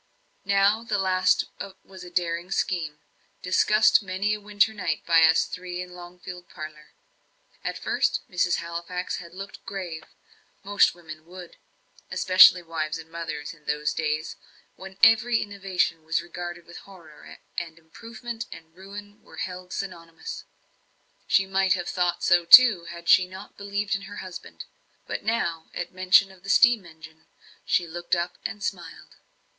Now the last was a daring scheme, discussed many a winter night by us three in Longfield parlour. At first, Mrs. Halifax had looked grave most women would, especially wives and mothers, in those days when every innovation was regarded with horror, and improvement and ruin were held synonymous. She might have thought so too, had she not believed in her husband. But now, at mention of the steam engine, she looked up and smiled.